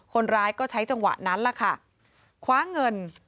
คนร้ายก็ใช้จังหวะนั้นล่ะค่ะคว้าเงิน